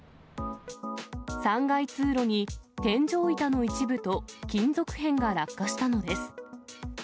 ３階通路に天井板の一部と、金属片が落下したのです。